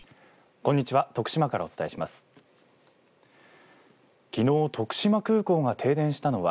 こんにちは